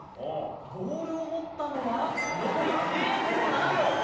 ボールを持ったのは、残り０．７秒。